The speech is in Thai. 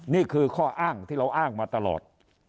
นี่คือข้ออ้างที่เราอ้างมาตลอด